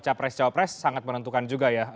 capres capres sangat menentukan juga ya